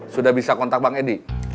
sudah bisa kontak bang edi